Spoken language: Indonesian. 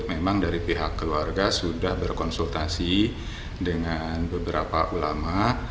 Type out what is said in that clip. memang dari pihak keluarga sudah berkonsultasi dengan beberapa ulama